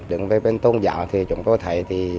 đến về bên tôn giáo thì chúng tôi thấy